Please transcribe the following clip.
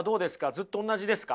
ずっとおんなじですか？